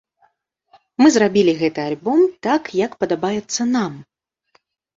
Мы зрабілі гэты альбом так, як падабаецца нам.